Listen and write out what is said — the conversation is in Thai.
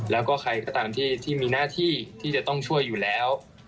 แล้วก็ใครก็ตามที่มีหน้าที่ที่จะต้องช่วยอยู่แล้ว